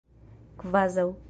kvazaŭ